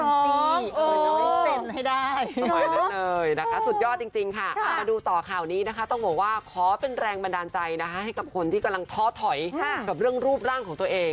สมัยนั้นเลยนะคะสุดยอดจริงค่ะมาดูต่อข่าวนี้นะคะต้องบอกว่าขอเป็นแรงบันดาลใจนะคะให้กับคนที่กำลังท้อถอยกับเรื่องรูปร่างของตัวเอง